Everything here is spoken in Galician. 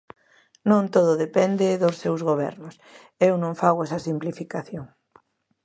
Non todo depende dos seus gobernos, eu non fago esa simplificación.